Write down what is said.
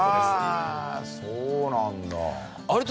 へえそうなんだ。